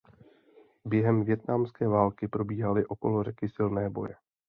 Během Vietnamské války probíhaly okolo řeky silné boje.